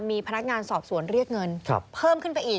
มีพนักงานสอบสวนเรียกเงินเพิ่มขึ้นไปอีก